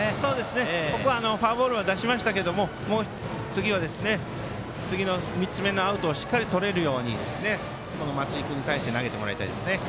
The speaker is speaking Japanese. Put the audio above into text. ここはフォアボールは出しましたけど次は次の３つ目のアウトをしっかりととれるように松井君に対して投げてもらいたいですね。